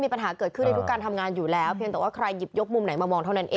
ปัญหาเกิดขึ้นในทุกการทำงานอยู่แล้วเพียงแต่ว่าใครหยิบยกมุมไหนมามองเท่านั้นเอง